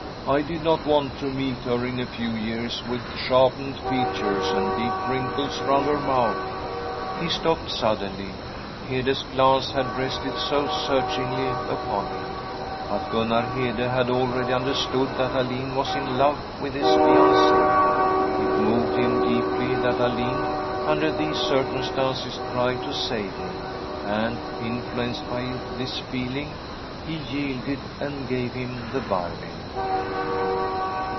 I did not want to meet her in a few years with sharpened features and deep wrinkles round her mouth ' He stopped suddenly; Hede's glance had rested so searchingly upon him. But Gunnar Hede had already understood that Alin was in love with his fiancie. It moved him deeply that Alin under these circumstances tried to save him, and, influenced by this feeling, he yielded and gave him the violin.